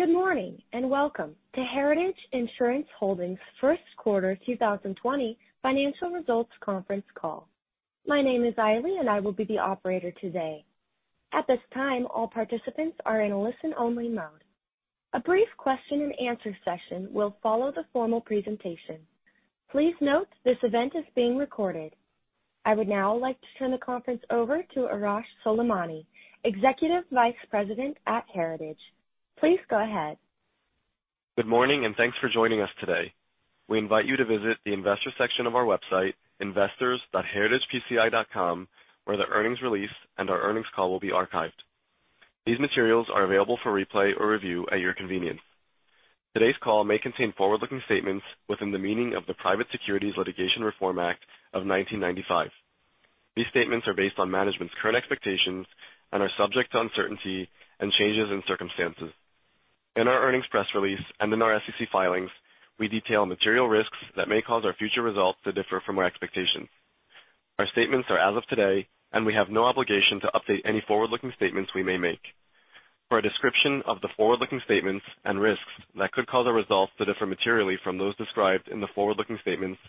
Good morning, and welcome to Heritage Insurance Holdings' first quarter 2020 financial results conference call. My name is Ailey, and I will be the operator today. At this time, all participants are in a listen-only mode. A brief question and answer session will follow the formal presentation. Please note this event is being recorded. I would now like to turn the conference over to Arash Soleimani, Executive Vice President at Heritage. Please go ahead. Good morning, and thanks for joining us today. We invite you to visit the investor section of our website, investors.heritagepci.com, where the earnings release and our earnings call will be archived. These materials are available for replay or review at your convenience. Today's call may contain forward-looking statements within the meaning of the Private Securities Litigation Reform Act of 1995. These statements are based on management's current expectations and are subject to uncertainty and changes in circumstances. In our earnings press release and in our SEC filings, we detail material risks that may cause our future results to differ from our expectations. Our statements are as of today, and we have no obligation to update any forward-looking statements we may make. For a description of the forward-looking statements and risks that could cause our results to differ materially from those described in the forward-looking statements,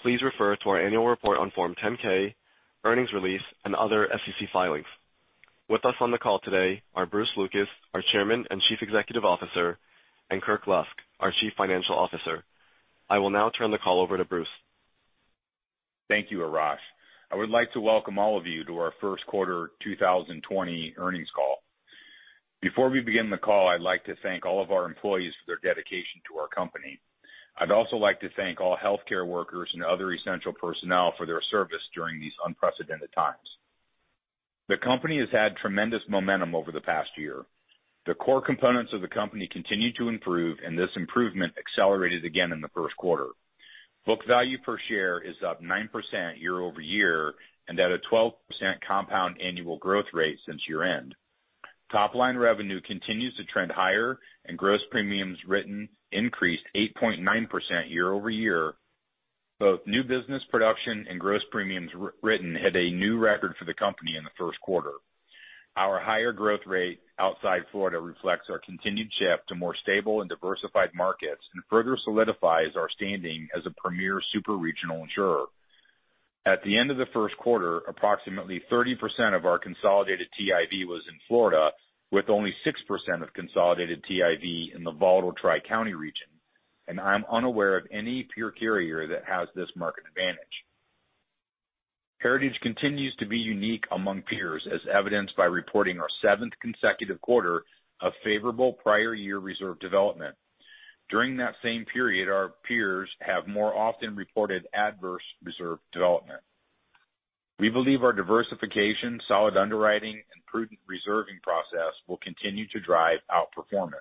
please refer to our annual report on Form 10-K, earnings release, and other SEC filings. With us on the call today are Bruce Lucas, our Chairman and Chief Executive Officer, and Kirk Lusk, our Chief Financial Officer. I will now turn the call over to Bruce. Thank you, Arash. I would like to welcome all of you to our first quarter 2020 earnings call. Before we begin the call, I'd like to thank all of our employees for their dedication to our company. I'd also like to thank all healthcare workers and other essential personnel for their service during these unprecedented times. The company has had tremendous momentum over the past year. The core components of the company continue to improve, and this improvement accelerated again in the first quarter. Book value per share is up 9% year-over-year and at a 12% compound annual growth rate since year-end. Top-line revenue continues to trend higher, and gross premiums written increased 8.9% year-over-year. Both new business production and gross premiums written hit a new record for the company in the first quarter. Our higher growth rate outside Florida reflects our continued shift to more stable and diversified markets and further solidifies our standing as a premier super-regional insurer. At the end of the first quarter, approximately 30% of our consolidated TIV was in Florida, with only 6% of consolidated TIV in the volatile Tri-County region, I'm unaware of any peer carrier that has this market advantage. Heritage continues to be unique among peers, as evidenced by reporting our seventh consecutive quarter of favorable prior year reserve development. During that same period, our peers have more often reported adverse reserve development. We believe our diversification, solid underwriting, and prudent reserving process will continue to drive outperformance.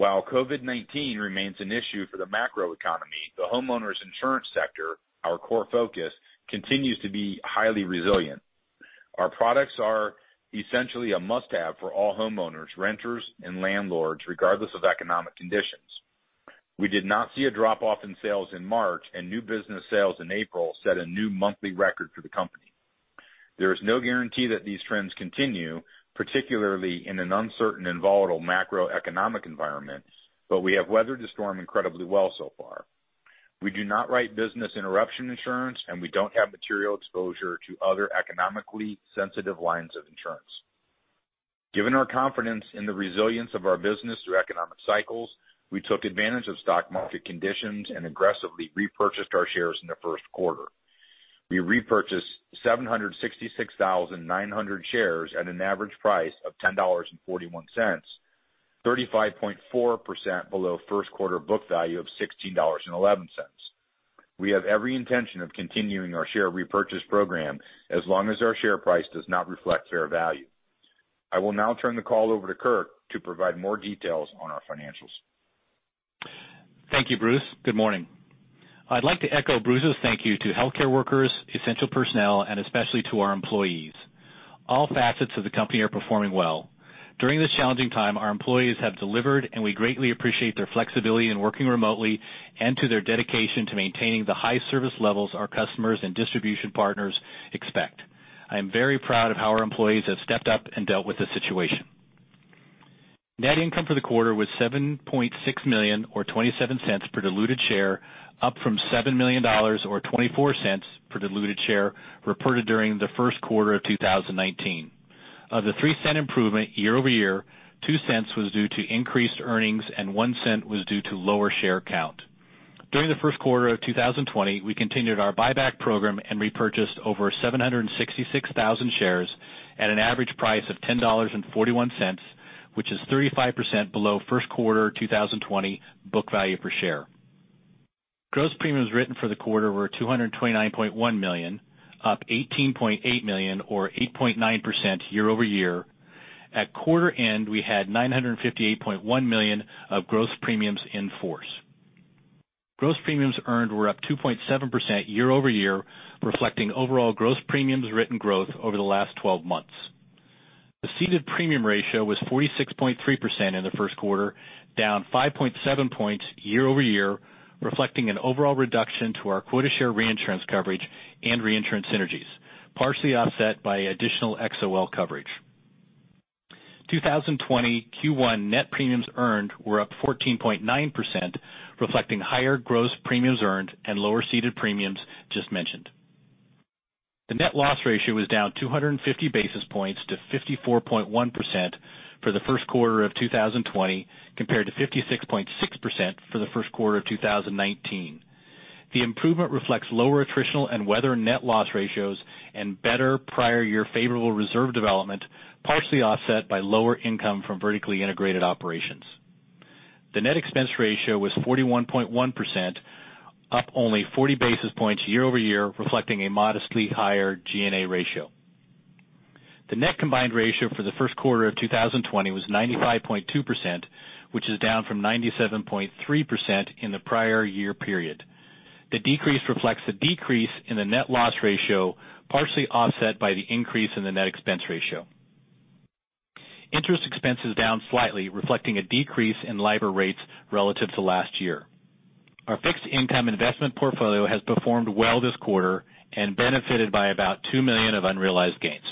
While COVID-19 remains an issue for the macro economy, the homeowners' insurance sector, our core focus, continues to be highly resilient. Our products are essentially a must-have for all homeowners, renters, and landlords, regardless of economic conditions. We did not see a drop-off in sales in March. New business sales in April set a new monthly record for the company. There is no guarantee that these trends continue, particularly in an uncertain and volatile macroeconomic environment, we have weathered the storm incredibly well so far. We do not write business interruption insurance. We don't have material exposure to other economically sensitive lines of insurance. Given our confidence in the resilience of our business through economic cycles, we took advantage of stock market conditions and aggressively repurchased our shares in the first quarter. We repurchased 766,900 shares at an average price of $10.41, 35.4% below first quarter book value of $16.11. We have every intention of continuing our share repurchase program as long as our share price does not reflect fair value. I will now turn the call over to Kirk to provide more details on our financials. Thank you, Bruce. Good morning. I'd like to echo Bruce's thank you to healthcare workers, essential personnel, and especially to our employees. All facets of the company are performing well. During this challenging time, our employees have delivered. We greatly appreciate their flexibility in working remotely and to their dedication to maintaining the high service levels our customers and distribution partners expect. I am very proud of how our employees have stepped up and dealt with this situation. Net income for the quarter was $7.6 million, or $0.27 per diluted share, up from $7 million or $0.24 per diluted share reported during the first quarter of 2019. Of the $0.03 improvement year-over-year, $0.02 was due to increased earnings. One cent was due to lower share count. During the first quarter of 2020, we continued our buyback program and repurchased over 766,000 shares at an average price of $10.41, which is 35% below first quarter 2020 book value per share. Gross premiums written for the quarter were $229.1 million, up $18.8 million or 8.9% year-over-year. At quarter end, we had $958.1 million of gross premiums in force. Gross premiums earned were up 2.7% year-over-year, reflecting overall gross premiums written growth over the last 12 months. The ceded premium ratio was 46.3% in the first quarter, down 5.7 points year-over-year, reflecting an overall reduction to our quota share reinsurance coverage and reinsurance synergies, partially offset by additional XOL coverage. 2020 Q1 net premiums earned were up 14.9%, reflecting higher gross premiums earned and lower ceded premiums just mentioned. The net loss ratio was down 250 basis points to 54.1% for the first quarter of 2020, compared to 56.6% for the first quarter of 2019. The improvement reflects lower attritional and weather net loss ratios and better prior year favorable reserve development, partially offset by lower income from vertically integrated operations. The net expense ratio was 41.1%, up only 40 basis points year-over-year, reflecting a modestly higher G&A ratio. The net combined ratio for the first quarter of 2020 was 95.2%, which is down from 97.3% in the prior year period. The decrease reflects the decrease in the net loss ratio, partially offset by the increase in the net expense ratio. Interest expense is down slightly, reflecting a decrease in LIBOR rates relative to last year. Our fixed income investment portfolio has performed well this quarter and benefited by about $2 million of unrealized gains.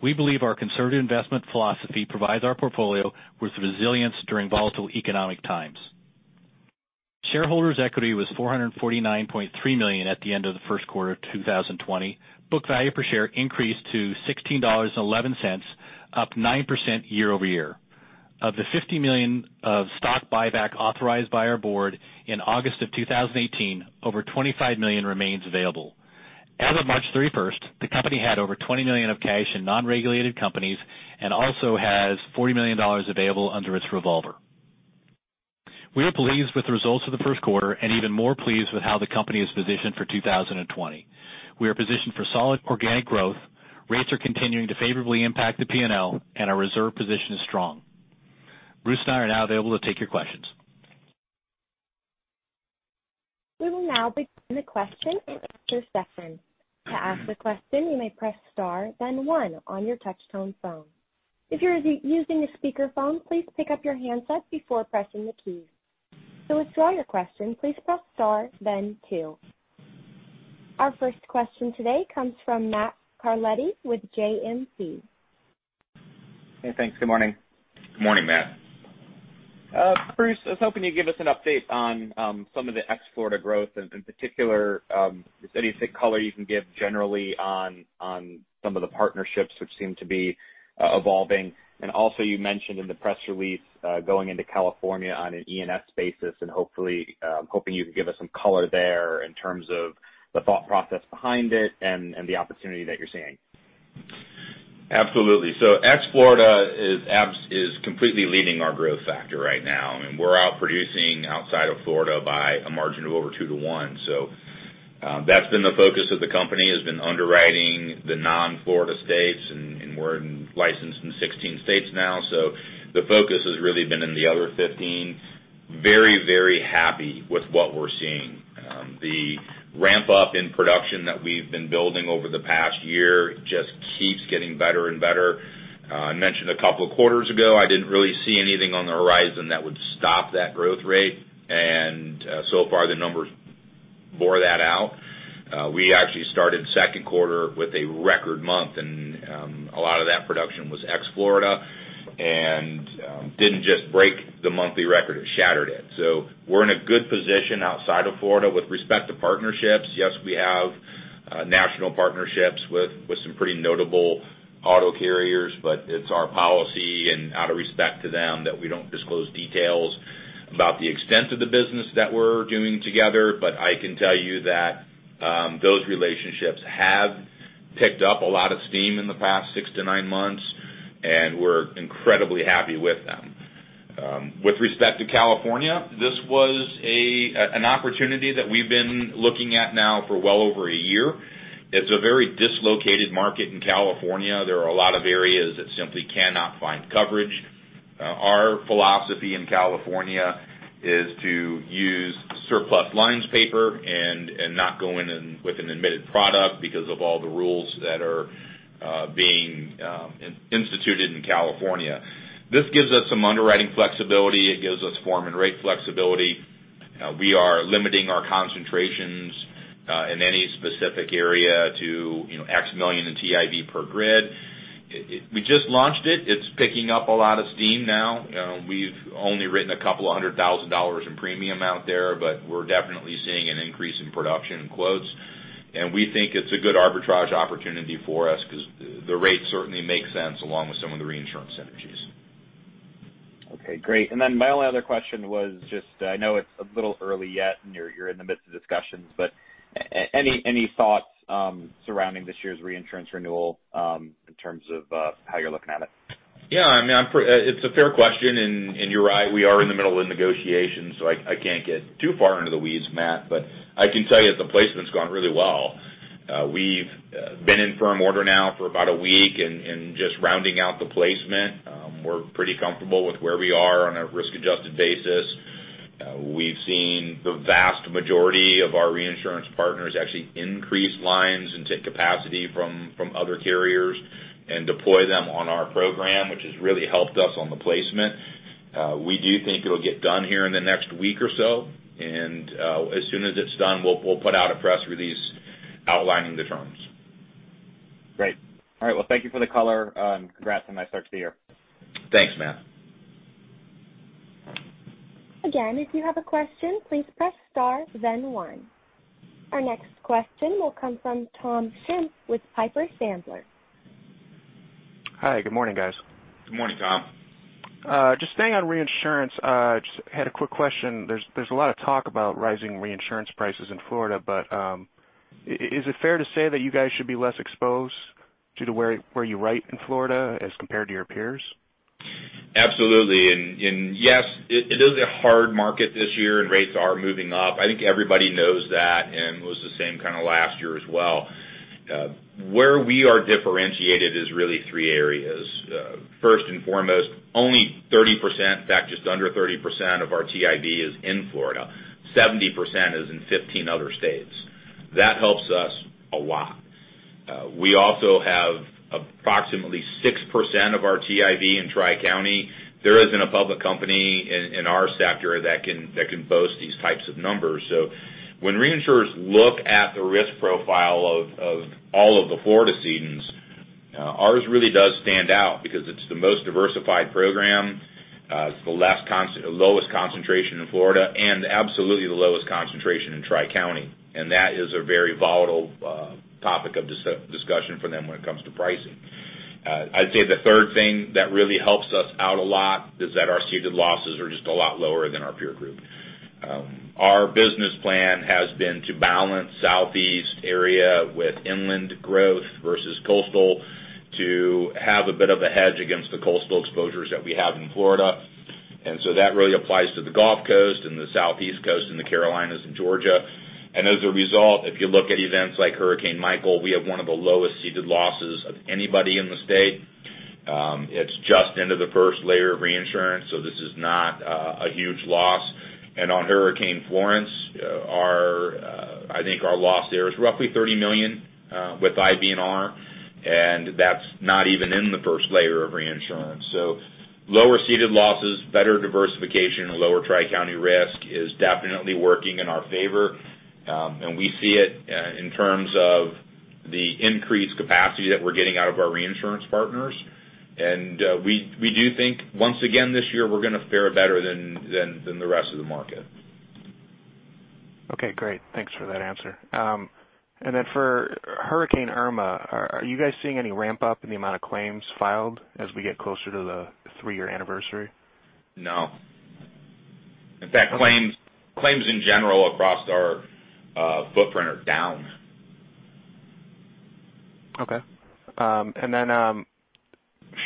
We believe our conservative investment philosophy provides our portfolio with resilience during volatile economic times. Shareholders' equity was $449.3 million at the end of the first quarter of 2020. Book value per share increased to $16.11, up 9% year-over-year. Of the $50 million of stock buyback authorized by our board in August of 2018, over $25 million remains available. As of March 31st, the company had over $20 million of cash in non-regulated companies and also has $40 million available under its revolver. We are pleased with the results of the first quarter and even more pleased with how the company is positioned for 2020. We are positioned for solid organic growth, rates are continuing to favorably impact the P&L, and our reserve position is strong. Bruce and I are now available to take your questions. We will now begin the question and answer session. To ask a question, you may press star then one on your touchtone phone. If you're using a speakerphone, please pick up your handset before pressing the key. To withdraw your question, please press star then two. Our first question today comes from Matthew Carletti with JMP. Hey, thanks. Good morning. Good morning, Matt. Bruce, I was hoping you'd give us an update on some of the ex-Florida growth, in particular, if there's any color you can give generally on some of the partnerships which seem to be evolving. You mentioned in the press release, going into California on an E&S basis, and I'm hoping you can give us some color there in terms of the thought process behind it and the opportunity that you're seeing. Absolutely. Ex-Florida is completely leading our growth factor right now. We're out producing outside of Florida by a margin of over two to one. That's been the focus of the company, has been underwriting the non-Florida states, and we're licensed in 16 states now. The focus has really been in the other 15. Very happy with what we're seeing. The ramp-up in production that we've been building over the past year just keeps getting better and better. I mentioned a couple of quarters ago, I didn't really see anything on the horizon that would stop that growth rate. So far, the numbers bore that out. We actually started second quarter with a record month, and a lot of that production was ex-Florida, and didn't just break the monthly record, it shattered it. We're in a good position outside of Florida. With respect to partnerships, yes, we have national partnerships with some pretty notable auto carriers, but it's our policy and out of respect to them that we don't disclose details about the extent of the business that we're doing together. I can tell you that those relationships have picked up a lot of steam in the past six to nine months, and we're incredibly happy with them. With respect to California, this was an opportunity that we've been looking at now for well over a year. It's a very dislocated market in California. There are a lot of areas that simply cannot find coverage. Our philosophy in California is to use surplus lines paper and not go in with an admitted product because of all the rules that are being instituted in California. This gives us some underwriting flexibility. It gives us form and rate flexibility. We are limiting our concentrations, in any specific area to X million in TIV per grid. We just launched it. It's picking up a lot of steam now. We've only written a couple of hundred thousand dollars in premium out there, but we're definitely seeing an increase in production and quotes, and we think it's a good arbitrage opportunity for us because the rate certainly makes sense along with some of the reinsurance synergies. Okay, great. My only other question was just, I know it's a little early yet, and you're in the midst of discussions, but any thoughts surrounding this year's reinsurance renewal, in terms of how you're looking at it? Yeah. It's a fair question, you're right, we are in the middle of negotiations, I can't get too far into the weeds, Matt. I can tell you the placement's gone really well. We've been in firm order now for about a week and just rounding out the placement. We're pretty comfortable with where we are on a risk-adjusted basis. We've seen the vast majority of our reinsurance partners actually increase lines and take capacity from other carriers and deploy them on our program, which has really helped us on the placement. We do think it'll get done here in the next week or so, and as soon as it's done, we'll put out a press release outlining the terms. Great. All right, well, thank you for the color, and congrats on a nice start to the year. Thanks, Matt. Again, if you have a question, please press star then one. Our next question will come from Tom Shimp with Piper Sandler. Hi, good morning, guys. Good morning, Tom. Staying on reinsurance, just had a quick question. There's a lot of talk about rising reinsurance prices in Florida, is it fair to say that you guys should be less exposed due to where you write in Florida as compared to your peers? Absolutely. Yes, it is a hard market this year, and rates are moving up. I think everybody knows that, it was the same kind of last year as well. Where we are differentiated is really three areas. First and foremost, only 30%, in fact, just under 30% of our TIV is in Florida. 70% is in 15 other states. That helps us a lot. We also have approximately 6% of our TIV in Tri-County. There isn't a public company in our sector that can boast these types of numbers. When reinsurers look at the risk profile of all of the Florida cedants, ours really does stand out because it's the most diversified program, it's the lowest concentration in Florida, and absolutely the lowest concentration in Tri-County. That is a very volatile topic of discussion for them when it comes to pricing. I'd say the third thing that really helps us out a lot is that our cedant losses are just a lot lower than our peer group. Our business plan has been to balance Southeast area with inland growth versus coastal to have a bit of a hedge against the coastal exposures that we have in Florida. That really applies to the Gulf Coast and the Southeast coast and the Carolinas and Georgia. As a result, if you look at events like Hurricane Michael, we have one of the lowest cedant losses of anybody in the state. It's just into the first layer of reinsurance, so this is not a huge loss. On Hurricane Florence, I think our loss there is roughly $30 million with IBNR, and that's not even in the first layer of reinsurance. Lower cedant losses, better diversification, and lower Tri-County risk is definitely working in our favor. We see it in terms of the increased capacity that we're getting out of our reinsurance partners. We do think, once again this year, we're going to fare better than the rest of the market. Okay, great. Thanks for that answer. For Hurricane Irma, are you guys seeing any ramp-up in the amount of claims filed as we get closer to the three-year anniversary? No. In fact, claims in general across our footprint are down. Okay. Then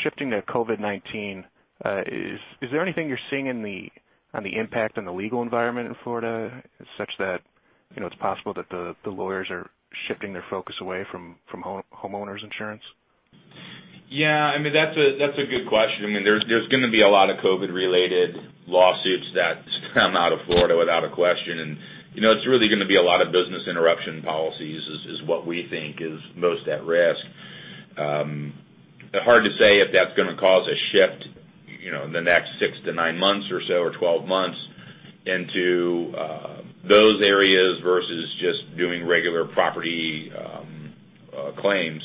shifting to COVID-19, is there anything you're seeing on the impact on the legal environment in Florida, such that it's possible that the lawyers are shifting their focus away from homeowners insurance? Yeah, that's a good question. There's going to be a lot of COVID-related lawsuits that come out of Florida without a question. It's really going to be a lot of business interruption policies, is what we think is most at risk. Hard to say if that's going to cause a shift in the next six to nine months or so, or 12 months, into those areas versus just doing regular property claims.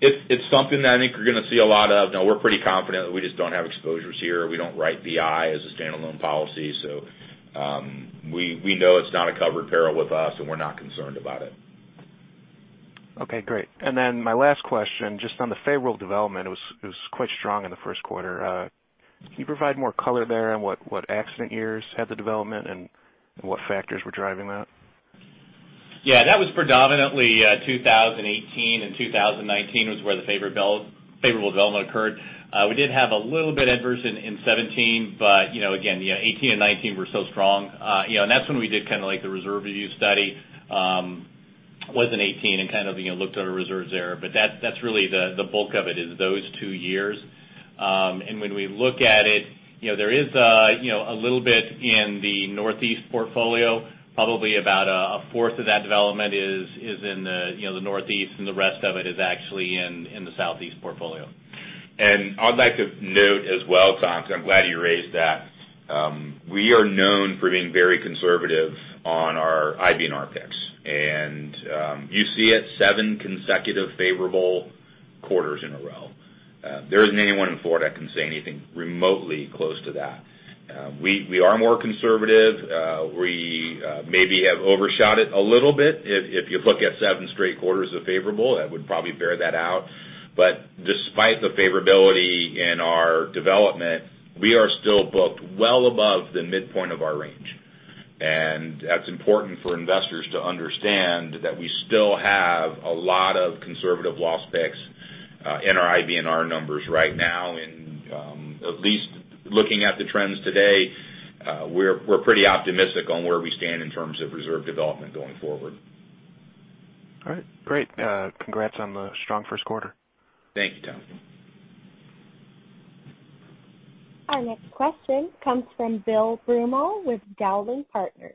It's something that I think we're going to see a lot of. Now, we're pretty confident that we just don't have exposures here. We don't write BI as a standalone policy. We know it's not a covered peril with us, and we're not concerned about it. Okay, great. Then my last question, just on the favorable development, it was quite strong in the first quarter. Can you provide more color there on what accident years had the development and what factors were driving that? Yeah. That was predominantly 2018 and 2019 was where the favorable development occurred. We did have a little bit adverse in 2017, again, yeah, 2018 and 2019 were so strong. That's when we did kind of like the reserve review study, was in 2018, and kind of looked at our reserves there. That's really the bulk of it, is those two years. When we look at it, there is a little bit in the Northeast portfolio, probably about a fourth of that development is in the Northeast, and the rest of it is actually in the Southeast portfolio. I'd like to note as well, Tom, because I'm glad you raised that. We are known for being very conservative on our IBNR picks. You see it, seven consecutive favorable quarters in a row. There isn't anyone in Florida that can say anything remotely close to that. We are more conservative. We maybe have overshot it a little bit. If you look at seven straight quarters of favorable, that would probably bear that out. Despite the favorability in our development, we are still booked well above the midpoint of our range. That's important for investors to understand that we still have a lot of conservative loss picks in our IBNR numbers right now. At least looking at the trends today, we're pretty optimistic on where we stand in terms of reserve development going forward. All right. Great. Congrats on the strong first quarter. Thank you, Tom. Our next question comes from Bill Broomall with Dowling & Partners.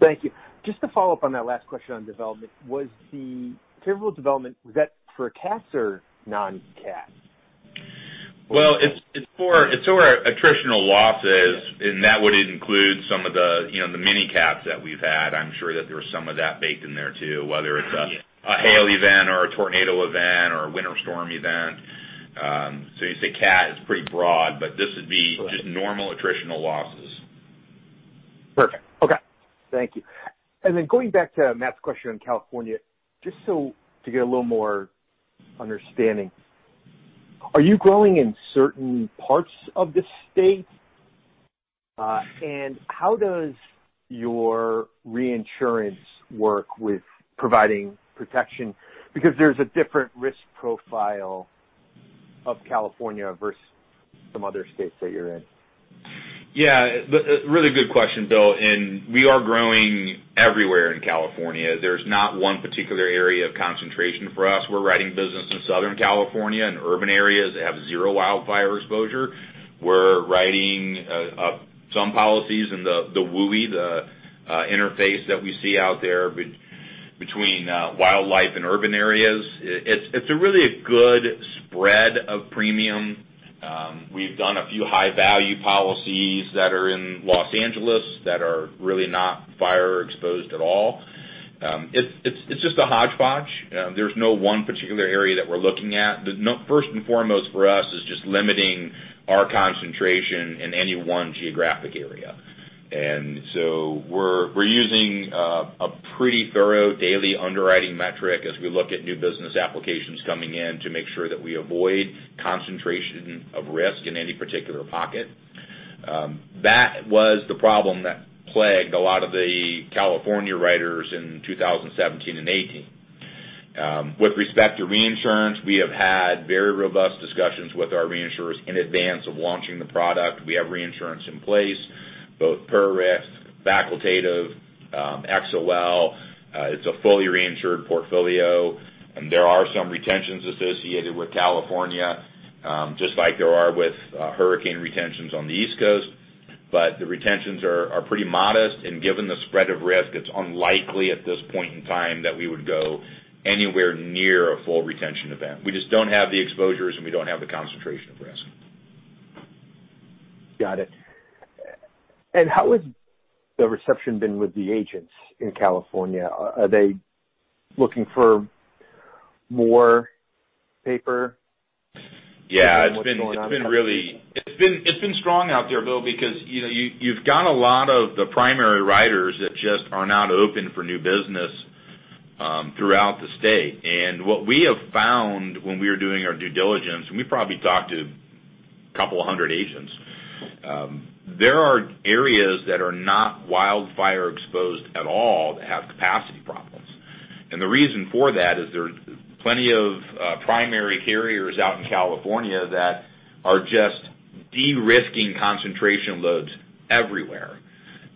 Thank you. Just to follow up on that last question on development, was the favorable development, was that for cats or non-cat? Well, it's sort of attritional losses, and that would include some of the mini-cats that we've had. I'm sure that there's some of that baked in there too, whether it's a hail event or a tornado event or a winter storm event. You say cat, it's pretty broad, but this would be just normal attritional losses. Perfect. Okay. Thank you. Going back to Matt's question on California, just so to get a little more understanding, are you growing in certain parts of the state? How does your reinsurance work with providing protection? There's a different risk profile of California versus some other states that you're in. Yeah. A really good question, Bill. We are growing everywhere in California. There's not one particular area of concentration for us. We're writing business in Southern California in urban areas that have zero wildfire exposure. We're writing up some policies in the WUI, the interface that we see out there between wildfire and urban areas. It's a really good spread of premium. We've done a few high-value policies that are in Los Angeles that are really not fire exposed at all. It's just a hodgepodge. There's no one particular area that we're looking at. First and foremost for us is just limiting our concentration in any one geographic area. We're using a pretty thorough daily underwriting metric as we look at new business applications coming in to make sure that we avoid concentration of risk in any particular pocket. That was the problem that plagued a lot of the California writers in 2017 and 2018. With respect to reinsurance, we have had very robust discussions with our reinsurers in advance of launching the product. We have reinsurance in place, both per risk, facultative, XOL. It's a fully reinsured portfolio, and there are some retentions associated with California, just like there are with hurricane retentions on the East Coast. The retentions are pretty modest. Given the spread of risk, it's unlikely at this point in time that we would go anywhere near a full retention event. We just don't have the exposures, and we don't have the concentration of risk. Got it. How has the reception been with the agents in California? Are they looking for more paper? Yeah. It's been strong out there, Bill, because you've got a lot of the primary writers that just are not open for new business, throughout the state. What we have found when we were doing our due diligence, and we probably talked to a couple of hundred agents, there are areas that are not wildfire exposed at all that have capacity problems. The reason for that is there's plenty of primary carriers out in California that are just de-risking concentration loads everywhere.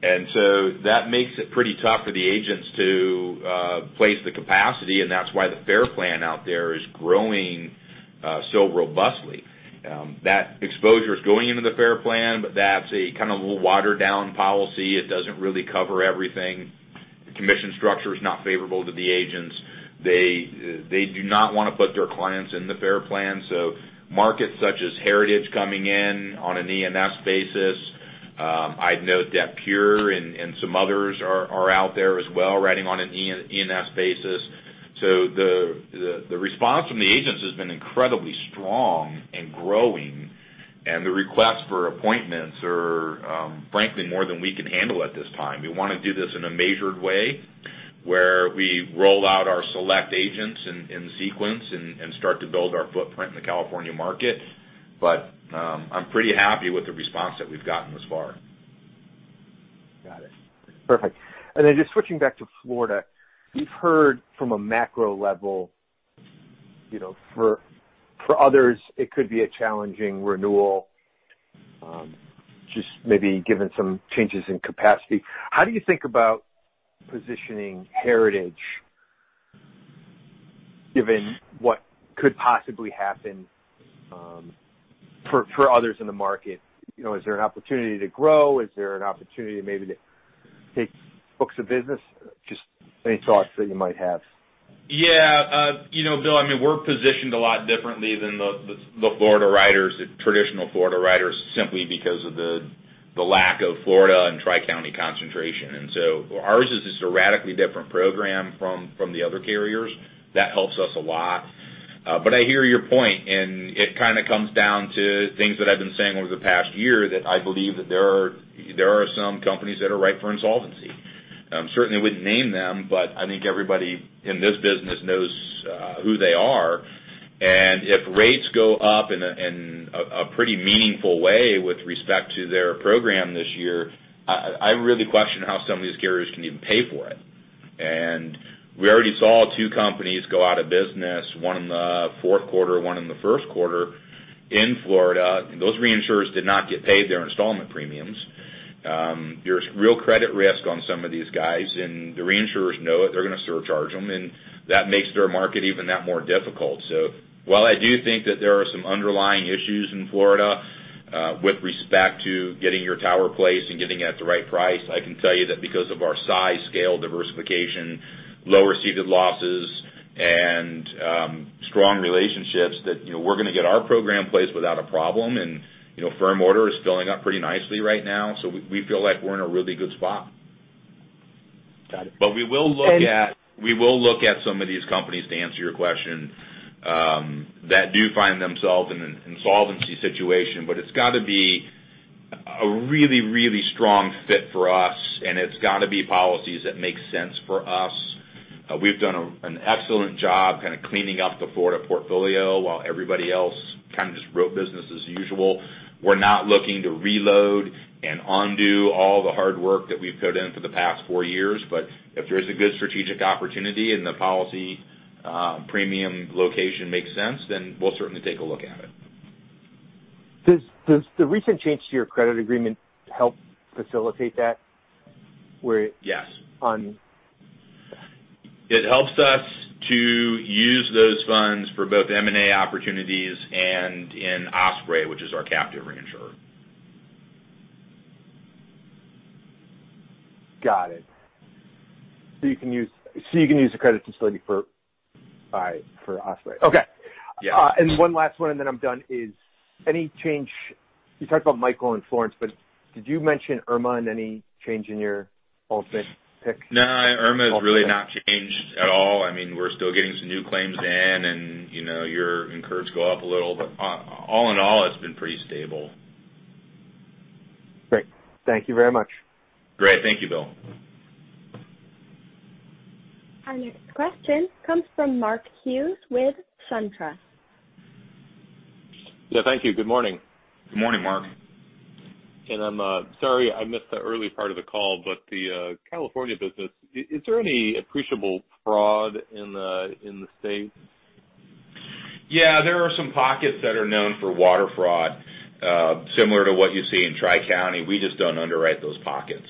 That makes it pretty tough for the agents to place the capacity, and that's why the FAIR Plan out there is growing so robustly. That exposure is going into the FAIR Plan, but that's a kind of a little watered-down policy. It doesn't really cover everything. The commission structure is not favorable to the agents. They do not want to put their clients in the FAIR Plan. Markets such as Heritage coming in on an E&S basis. I'd note that PURE and some others are out there as well, riding on an E&S basis. The response from the agents has been incredibly strong and growing, and the requests for appointments are, frankly, more than we can handle at this time. We want to do this in a measured way, where we roll out our select agents in sequence and start to build our footprint in the California market. I'm pretty happy with the response that we've gotten thus far. Got it. Perfect. Just switching back to Florida, we've heard from a macro level, for others, it could be a challenging renewal, just maybe given some changes in capacity. How do you think about positioning Heritage given what could possibly happen for others in the market? Is there an opportunity to grow? Is there an opportunity maybe to take books of business? Just any thoughts that you might have. Yeah. Bill, we're positioned a lot differently than the traditional Florida writers simply because of the lack of Florida and Tri-County concentration. Ours is just a radically different program from the other carriers. That helps us a lot. I hear your point, and it kind of comes down to things that I've been saying over the past year that I believe that there are some companies that are ripe for insolvency. I certainly wouldn't name them, but I think everybody in this business knows who they are. If rates go up in a pretty meaningful way with respect to their program this year, I really question how some of these carriers can even pay for it. We already saw two companies go out of business, one in the fourth quarter, one in the first quarter in Florida. Those reinsurers did not get paid their installment premiums. There's real credit risk on some of these guys, and the reinsurers know it. They're going to surcharge them, and that makes their market even that more difficult. While I do think that there are some underlying issues in Florida with respect to getting your tower placed and getting it at the right price, I can tell you that because of our size, scale, diversification, lower ceded losses, and strong relationships, that we're going to get our program placed without a problem. Firm order is filling up pretty nicely right now, so we feel like we're in a really good spot. Got it. We will look at some of these companies, to answer your question, that do find themselves in an insolvency situation. It's got to be a really, really strong fit for us, and it's got to be policies that make sense for us. We've done an excellent job kind of cleaning up the Florida portfolio while everybody else kind of just wrote business as usual. We're not looking to reload and undo all the hard work that we've put in for the past four years. If there's a good strategic opportunity, and the policy premium location makes sense, then we'll certainly take a look at it. Does the recent change to your credit agreement help facilitate that, where- Yes. On It helps us to use those funds for both M&A opportunities and in Osprey, which is our captive reinsurer. Got it. You can use the credit facility for Osprey. Okay. Yeah. One last one, then I'm done. You talked about Hurricane Michael and Hurricane Florence, but did you mention Hurricane Irma and any change in your ultimate pick? No, Hurricane Irma's really not changed at all. We're still getting some new claims in, and your incurreds go up a little. All in all, it's been pretty stable. Great. Thank you very much. Great. Thank you, Bill. Our next question comes from Mark Hughes with Truist. Yeah, thank you. Good morning. Good morning, Mark. I'm sorry I missed the early part of the call, the California business, is there any appreciable fraud in the state? Yeah, there are some pockets that are known for water fraud, similar to what you see in Tri-County. We just don't underwrite those pockets.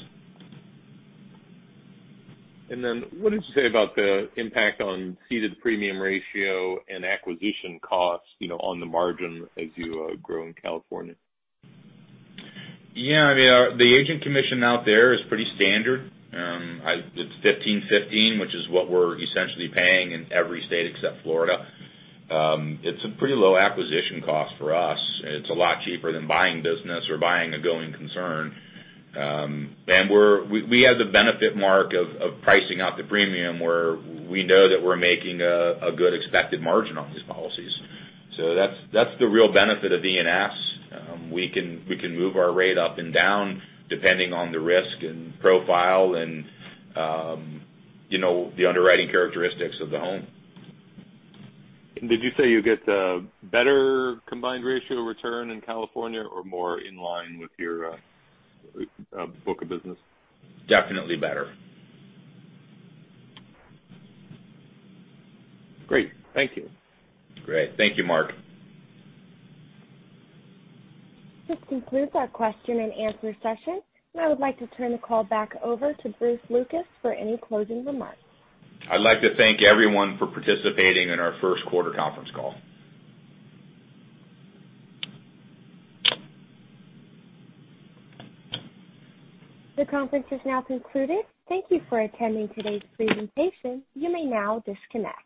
What did you say about the impact on ceded premium ratio and acquisition costs on the margin as you grow in California? Yeah. The agent commission out there is pretty standard. It's 15/15, which is what we're essentially paying in every state except Florida. It's a pretty low acquisition cost for us. It's a lot cheaper than buying business or buying a going concern. We have the benefit, Mark, of pricing out the premium, where we know that we're making a good expected margin on these policies. That's the real benefit of being an E&S. We can move our rate up and down depending on the risk and profile and the underwriting characteristics of the home. Did you say you get better combined ratio return in California or more in line with your book of business? Definitely better. Great. Thank you. Great. Thank you, Mark. This concludes our question and answer session, and I would like to turn the call back over to Bruce Lucas for any closing remarks. I'd like to thank everyone for participating in our first quarter conference call. The conference is now concluded. Thank you for attending today's presentation. You may now disconnect.